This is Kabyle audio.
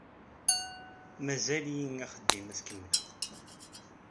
Mazal-iyi axeddim ad t-kemmleɣ.